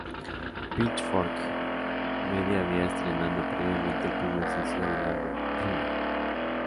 Pitchfork Media había estrenado previamente el primer sencillo del álbum, "Runner".